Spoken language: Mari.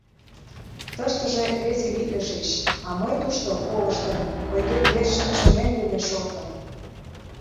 Тыштыже веселитлышыч, а мый тушто, колыштын, ойгет верчын чонем дене шортым...